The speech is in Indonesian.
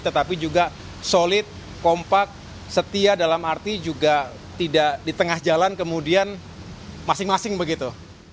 tetapi juga solid kompak setia dalam arti juga tidak di tengah jalan kemudian masing masing begitu